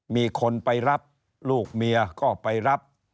มีคนไปรับลูกเมียก็ไปรับ